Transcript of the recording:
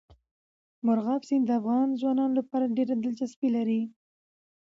مورغاب سیند د افغان ځوانانو لپاره ډېره دلچسپي لري.